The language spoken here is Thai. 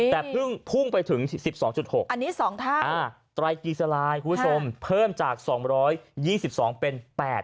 แต่พุ่งไปถึง๑๒๖อันนี้๒เท่าตรายกีซาลายผู้สมเพิ่มจาก๒๒๒เป็น๘๐๑